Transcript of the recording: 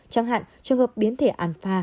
chẳng hạn trường hợp biến thể alpha